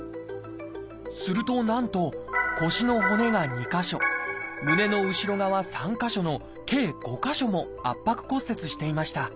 するとなんと腰の骨が２か所胸の後ろ側３か所の計５か所も圧迫骨折していました。